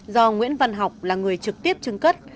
do nguyễn văn học là người trực tiếp chứng cất